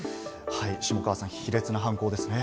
下川さん、卑劣な犯行ですね。